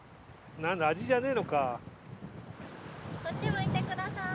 何だ味じゃねえのか。